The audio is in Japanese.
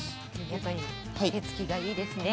やっぱり手つきがいいですね。